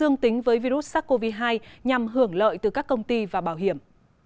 dương tính với virus sars cov hai nhằm hưởng lợi từ các công ty và bảo hiểm